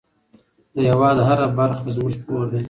د هېواد هره برخه زموږ کور دی.